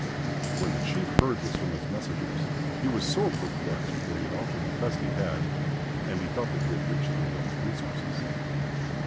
When the Chief heard this from his messengers he was sore perplexed, for he had offered the best he had, and he thought that he had reached the end of his resources.